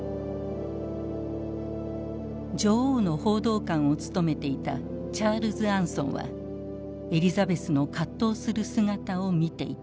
女王の報道官を務めていたチャールズ・アンソンはエリザベスの葛藤する姿を見ていた。